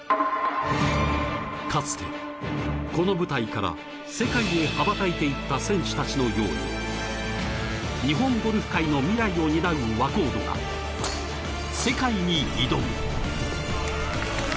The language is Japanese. かつて、この舞台から世界へ羽ばたいていった選手たちのように日本ゴルフ界の未来を担う若人が、世界に挑む。